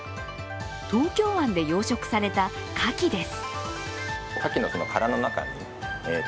東京湾で養殖されたかきです。